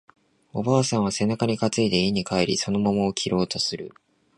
おばあさんは背中に担いで家に帰り、その桃を切ろうとする